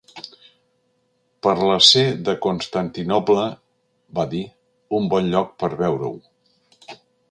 Per la Ce de Constantinoble —va dir—, un bon lloc per veure-ho.